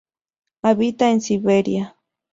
Habita en Siberia.